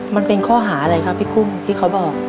มันเป็นข้อหาอะไรครับพี่กุ้งที่เขาบอก